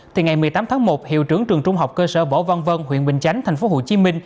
từ ngày một mươi tám tháng một hiệu trưởng trường trung học cơ sở võ văn vân huyện bình chánh tp hcm